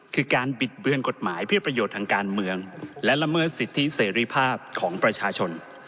คือการบิดเบือนกฎหมายเพื่อประโยชน์ทางการเมืองและละเมิดสิทธิเสรีภาพของประชาชน